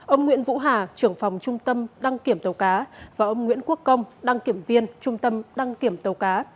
ông nguyễn vũ hà trưởng phòng trung tâm đăng kiểm tàu cá và ông nguyễn quốc công đăng kiểm viên trung tâm đăng kiểm tàu cá